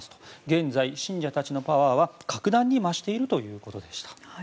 現在、信者たちのパワーは格段に増しているということでした。